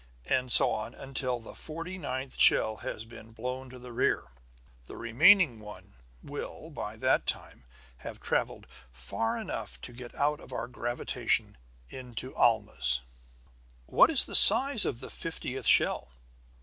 And so on, until the forty ninth shell has been blown to the rear. The remaining one will, by that time, have traveled far enough to get out of our gravitation into Alma's." "What is the size of the fiftieth shell?"